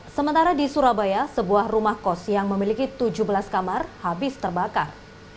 sementara di surabaya sebuah rumah kos yang memiliki tujuh belas kamar habis terbakar